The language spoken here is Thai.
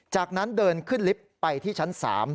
จากนั้นเดินขึ้นลิฟต์ไปที่ชั้น๓